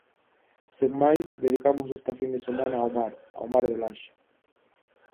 Sen máis, dedicamos esta fin de semana, ao mar, ao mar de Laxe.